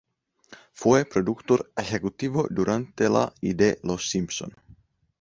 Fue productor ejecutivo durante la y de "Los Simpson.